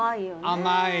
甘い。